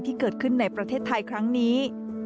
ที่เกิดขึ้นในประเทศไทยครั้งนี้